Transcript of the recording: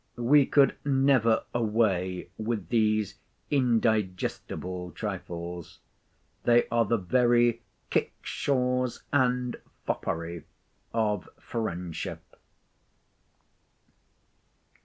We could never away with these indigestible trifles. They are the very kickshaws and foppery of friendship.